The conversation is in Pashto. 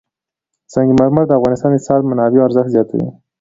سنگ مرمر د افغانستان د اقتصادي منابعو ارزښت زیاتوي.